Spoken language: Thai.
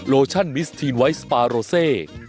โลชั่นมิสทีนไวท์สปาโรเซ